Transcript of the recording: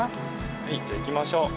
はい、じゃあ行きましょう。